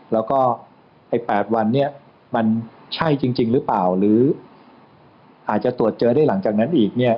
แล้วก็ไอ้๘วันเนี่ยมันใช่จริงหรือเปล่าหรืออาจจะตรวจเจอได้หลังจากนั้นอีกเนี่ย